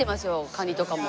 カニとかも。